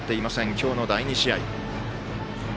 今日の第２試合。